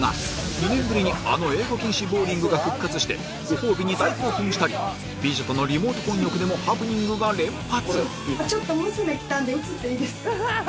２年ぶりにあの英語禁止ボウリングが復活してご褒美に大興奮したり美女とのリモート混浴でもハプニングが連発